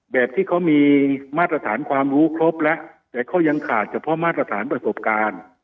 แบบที่เขามีมาตรฐานความรู้ครบแล้วแต่เขายังขาดเฉพาะมาตรฐานประสบการณ์